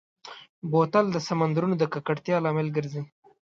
بوتل د سمندرونو د ککړتیا لامل ګرځي.